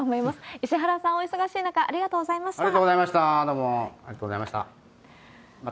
石原さん、お忙しい中、ありがとうございました。